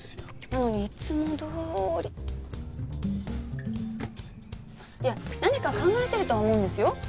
なのにいつもどおり。いや何か考えてるとは思うんですよ。